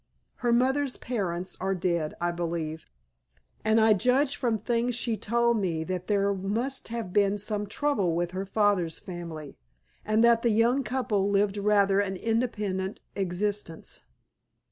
Her mother's parents are dead, I believe, and I judge from things she has told me that there must have been some trouble with her father's family, and that the young couple lived rather an independent existence."